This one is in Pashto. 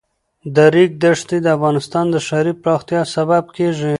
د ریګ دښتې د افغانستان د ښاري پراختیا سبب کېږي.